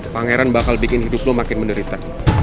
pangeran bakal bikin hidup lo makin menderita